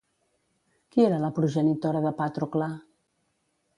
Qui era la progenitora de Pàtrocle?